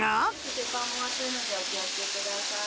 鉄板お熱いのでお気をつけください。